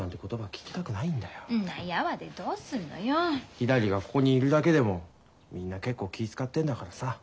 ひらりがここにいるだけでもみんな結構気ぃ遣ってんだからさ。